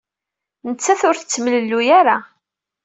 Nettat ur tettemlelluy ara.